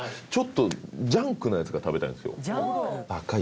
ちょっとジャンクなやつが食べたいんですよ。